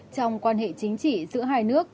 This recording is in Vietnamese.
trong quan hệ chính trị giữa hai nước